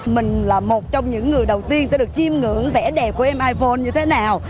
mình là một trong những người đầu tiên sẽ được chiêm ngưỡng vẻ đẹp của em iphone như thế nào